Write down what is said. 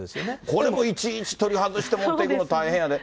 これもいちいち取り外して持っていくの大変やで。